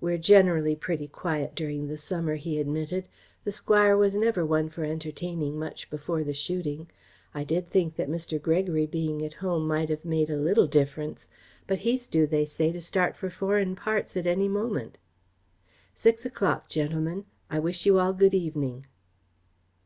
"We're generally pretty quiet during the summer," he admitted. "The Squire was never one for entertaining much before the shooting. I did think that Mr. Gregory being at home might have made a little difference, but he's due, they say, to start for foreign parts at any moment. Six o'clock, gentlemen. I wish you all good evening."